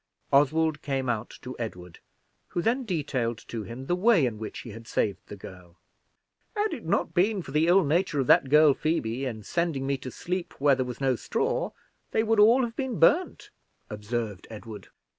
Oswald came out to Edward, who then detailed to him the way in which he had saved the girl. "Had it not been for the ill nature of that woman Phoebe, in sending me to sleep where there was no straw, they would all have been burned," observed Edward.